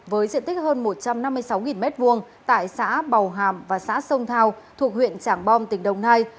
với diện tích hơn một trăm năm mươi sáu m hai tại xã bào hàm và xã sông thao thuộc huyện trảng bom tỉnh đồng nai